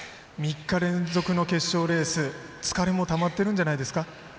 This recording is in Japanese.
３日連続の決勝レース疲れもたまってるんじゃないですか？